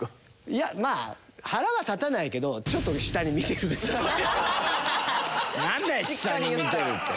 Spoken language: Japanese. いやまあ腹は立たないけどなんだよ「下に見てる」って。